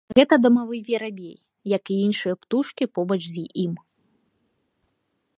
Гэта дамавы верабей, як і іншыя птушкі побач з ім.